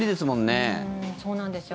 そうなんですよ。